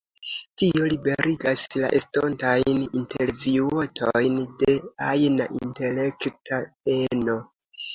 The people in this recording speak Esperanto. Tio liberigas la estontajn intervjuotojn de ajna intelekta peno.